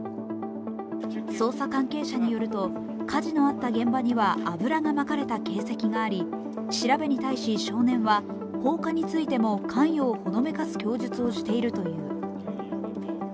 捜査関係者によると火事のあった家には油がまかれた形跡があり、調べに対し少年は放火についても関与をほのめかす供述をしているという。